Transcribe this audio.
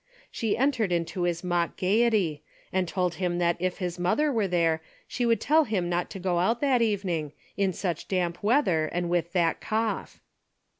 She entered into his mock gaiety, and told him that if his mother were there she would tell him not to go out that evening, in such damp weather and with that cough.